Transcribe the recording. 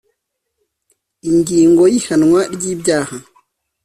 Ingingo y’Ihanwa ry ibyaha